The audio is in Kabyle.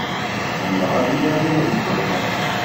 Ḥemmleɣ ad nadiɣ deg aman.